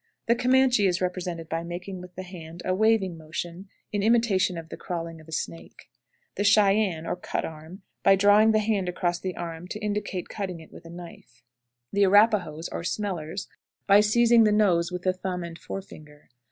The Comanche is represented by making with the hand a waving motion in imitation of the crawling of a snake. The Cheyenne, or "Cut arm," by drawing the hand across the arm, to imitate cutting it with a knife. The Arapahoes, or "Smellers," by seizing the nose with the thumb and fore finger.